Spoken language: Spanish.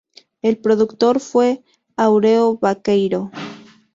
El productor fue Áureo Baqueiro.